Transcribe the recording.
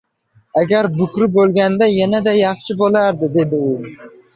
“Agar bukri bo‘lganida yanada yaxshi bo‘lardi”, dedi u.